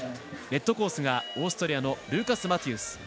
レッドコースがオーストリアのルーカス・マティース。